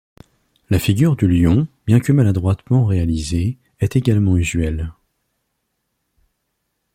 La figure du lion, bien que maladroitement réalisée, est également usuelle.